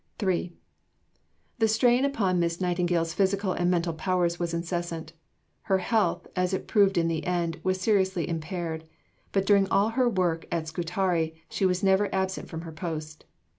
III The strain upon Miss Nightingale's physical and mental powers was incessant. Her health, as it proved in the end, was seriously impaired; but during all her work at Scutari, she was never absent from her post.